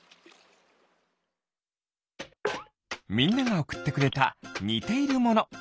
みんながおくってくれたにているもの